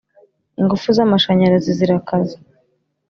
Ingufu zamashanyarazi zirakaze